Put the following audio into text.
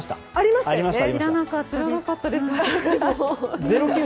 知らなかったです。